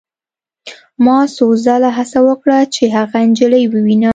ما څو ځله هڅه وکړه چې هغه نجلۍ ووینم